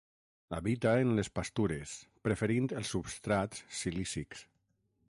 Habita en les pastures, preferint els substrats silícics.